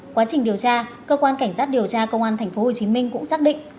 quá trình điều tra cơ quan cảnh sát điều tra công an tp hcm cũng xác định